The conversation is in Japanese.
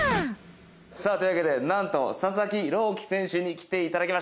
さあというわけでなんと佐々木朗希選手に来て頂きました。